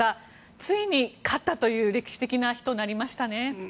ついに勝ったという歴史的な日となりましたね。